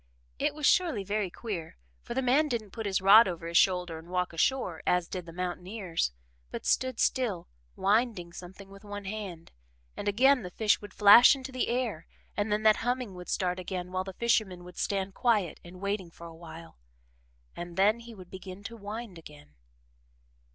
It was surely very queer, for the man didn't put his rod over his shoulder and walk ashore, as did the mountaineers, but stood still, winding something with one hand, and again the fish would flash into the air and then that humming would start again while the fisherman would stand quiet and waiting for a while and then he would begin to wind again.